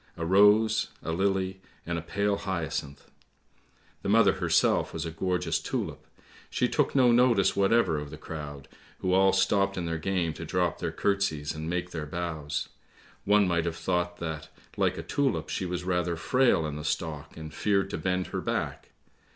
A rose, a lily, and a pale hyacinth. The mother herself was a gorgeous tulip, she took no notice whatever of the crowd, who all stopped in their game to drop their curtseys and make their bows; one might have thought that, like a tulip, she was rather frail in the stalk and feared to bend her back.